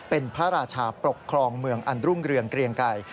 เป็นพระราชาปกครองเมืองอันรุ่งเรืองเกลียงไก่